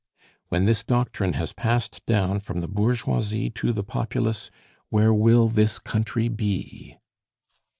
When this doctrine has passed down from the bourgeoisie to the populace, where will this country be?